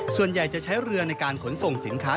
ส่วนใหญ่จะใช้เรือในการขนส่งสินค้า